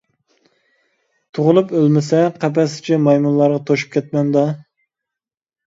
تۇغۇلۇپ ئۆلمىسە، قەپەس ئىچى مايمۇنلارغا توشۇپ كەتمەمدۇ.